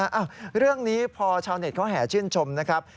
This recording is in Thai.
อ้าวเรื่องนี้พอชาวเน็ตเขาแห่ชื่นชมนะครับ